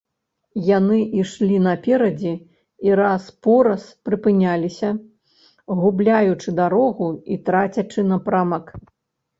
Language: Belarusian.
Яны ішлі наперадзе і раз-пораз прыпыняліся, губляючы дарогу і трацячы напрамак.